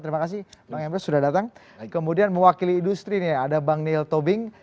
terima kasih bang emru sudah datang kemudian mewakili industri ini ada bang neil tobing